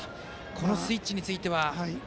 このスイッチについては？